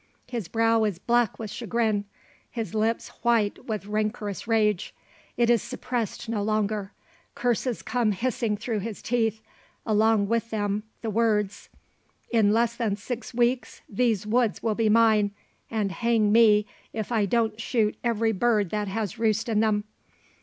His brow is black with chagrin; his lips white with rancorous rage. It is suppressed no longer. Curses come hissing through his teeth, along with them the words, "In less than six weeks these woods will be mine, and hang me, if I don't shoot every bird that has roost in them!